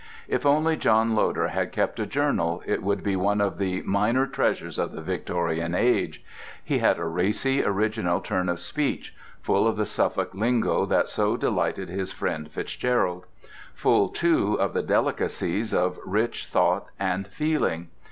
If only John Loder had kept a journal it would be one of the minor treasures of the Victorian Age. He had a racy, original turn of speech, full of the Suffolk lingo that so delighted his friend FitzGerald; full, too, of the delicacies of rich thought and feeling.